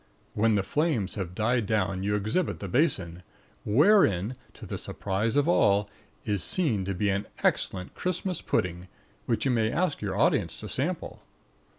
When the flames have died down you exhibit the basin, wherein (to the surprise of all) is to be seen an excellent Christmas pudding, which you may ask your audience to sample.